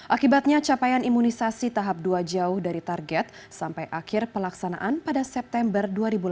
akibatnya capaian imunisasi tahap dua jauh dari target sampai akhir pelaksanaan pada september dua ribu delapan belas